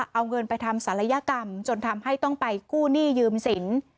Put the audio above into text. เอาเงินไปทำศัลยกรรมจนทำให้ต้องไปกู้หนี้ยืมสิน